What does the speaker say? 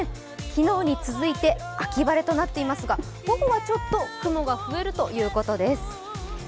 昨日に続いて秋晴れとなっていますが、午後は、ちょっと雲が増えるということです。